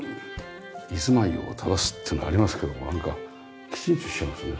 居住まいを正すっていうのはありますけどもなんかきちんとしてますね。